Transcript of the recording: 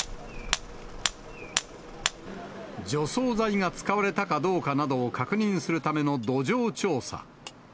除草剤が使われたかどうかなどを確認するための土壌調査。